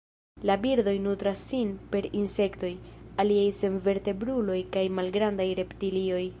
La birdoj nutras sin per insektoj, aliaj senvertebruloj kaj malgrandaj reptilioj.